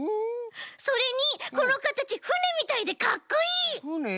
それにこのかたちふねみたいでかっこいい！